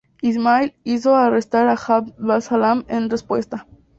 Ismail hizo arrestar a Ibn 'Abd al-Salam en respuesta.